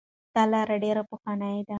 دا لاره ډیره پخوانۍ ده.